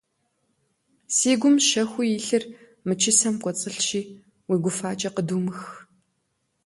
Си гум щэхуу илъыр мы чысэм кӀуэцӀылъщи, уи гуфӀакӀэ къыдумых.